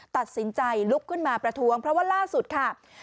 ตัดสินใจลุกขึ้นมาประท้วงเพราะว่าล่าสุดค่ะ